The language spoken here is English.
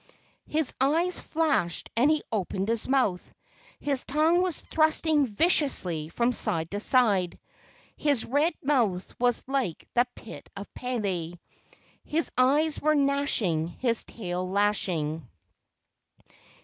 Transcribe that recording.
His eyes flashed and he opened his mouth. His tongue was thrusting viciously from side to side. His red mouth was like the pit of Pele. His teeth were gnashing, his tail lashing.